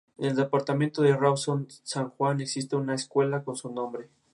En el Departamento Rawson de San Juan existe una escuela con su nombre.